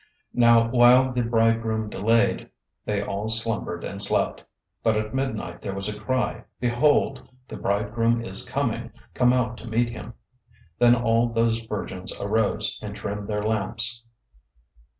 025:005 Now while the bridegroom delayed, they all slumbered and slept. 025:006 But at midnight there was a cry, 'Behold! The bridegroom is coming! Come out to meet him!' 025:007 Then all those virgins arose, and trimmed their lamps.